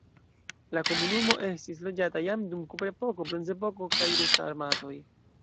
La komunumo estis loĝata jam dum la kuprepoko, bronzepoko kaj de sarmatoj.